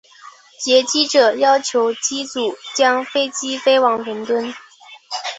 劫机者要求机组将飞机飞往伦敦。